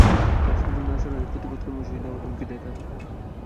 ভাস্কর্য না সরালে প্রতিবাদ কর্মসূচি দেওয়ার হুমকি দেয় তারা।